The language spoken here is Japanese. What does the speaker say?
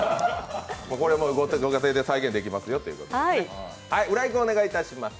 これもご家庭で再現できますよということですね。